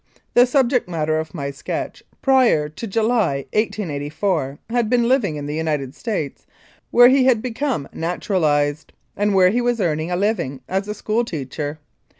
The subject matter of my sketch, prior to July, 1884, had been living in the United States, where he had become naturalised, and where he was earning a living as a school teacher.